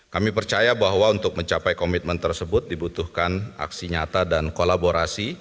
kami percaya bahwa untuk mencapai komitmen tersebut dibutuhkan aksi nyata dan kolaborasi